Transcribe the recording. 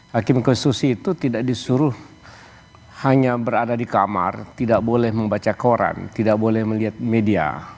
hakim konstitusi itu tidak disuruh hanya berada di kamar tidak boleh membaca koran tidak boleh melihat media